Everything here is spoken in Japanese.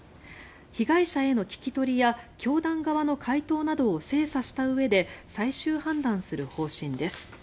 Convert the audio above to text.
被害者への聞き取りや教団側の回答などを精査したうえで最終判断する方針です。